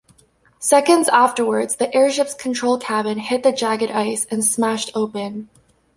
Seconds afterwards the airship's control cabin hit the jagged ice and smashed open.